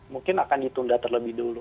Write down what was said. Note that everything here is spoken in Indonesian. mungkin akan ditunda terlebih dulu